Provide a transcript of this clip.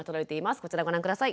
こちらご覧下さい。